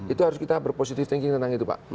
itu harus kita berposisive thinking tentang itu pak